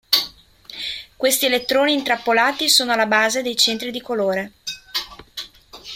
Questi elettroni intrappolati sono alla base dei centri di colore.